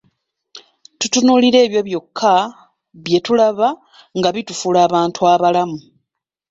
Tutunuulire ebyo byokka bye tulaba nga bitufuula abantubalamu.